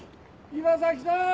岩崎さん！